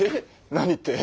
何って？